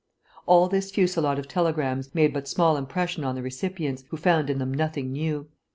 All this fusillade of telegrams made but small impression on the recipients, who found in them nothing new.